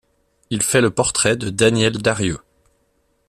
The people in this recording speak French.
Il fait le portrait de Danielle Darrieux.